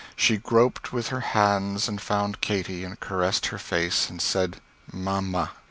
She groped with her hands and found Katy, and caressed her face, and said "Mamma."